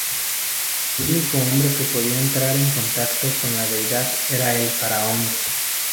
El único hombre que podía entrar en 'contacto' con la deidad era el faraón.